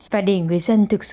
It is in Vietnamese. và để người dân thực sự